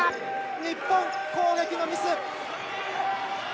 日本が攻撃のミス。